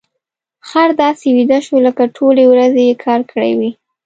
خر داسې ویده شو لکه ټولې ورځې يې کار کړی وي.